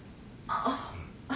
あっ。